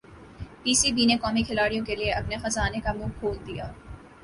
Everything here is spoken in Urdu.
پی سی بی نے قومی کھلاڑیوں کیلئے اپنے خزانے کا منہ کھول دیا